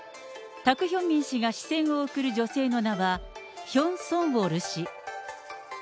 タク・ヒョンミン氏が視線を送る女性の名は、ヒョン・ソンウォル氏。